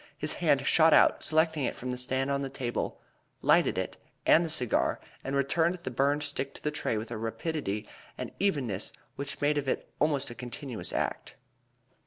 His hand shot out, selected it from the stand on the table, lighted it and the cigar, and returned the burned stick to the tray with a rapidity and evenness which made of it almost a continuous act.